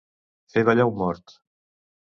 Fer ballar un mort.